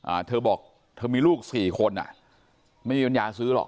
อ่าเธอบอกเธอมีลูกสี่คนอ่ะไม่มีปัญญาซื้อหรอก